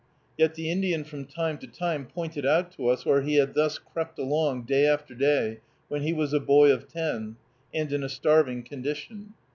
Yet the Indian from time to time pointed out to us where he had thus crept along day after day when he was a boy of ten, and in a starving condition.